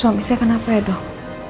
suami saya kenapa ya dok